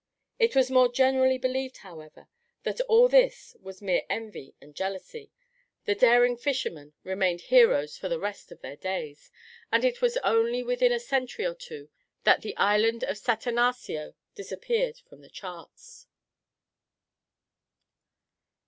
It was more generally believed, however, that all this was mere envy and jealousy; the daring fishermen remained heroes for the rest of their days; and it was only within a century or two that the island of Satanaxio disappeared from the charts.